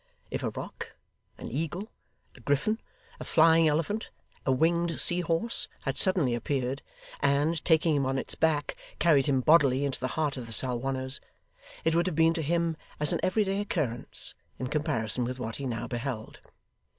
If a roc, an eagle, a griffin, a flying elephant, a winged sea horse, had suddenly appeared, and, taking him on its back, carried him bodily into the heart of the 'Salwanners,' it would have been to him as an everyday occurrence, in comparison with what he now beheld.